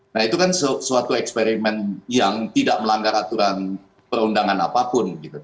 nah itu kan suatu eksperimen yang tidak melanggar aturan perundangan apapun